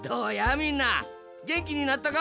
みんなげんきになったか？